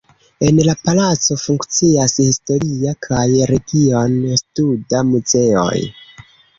En la palaco funkcias historia kaj region-studa muzeoj.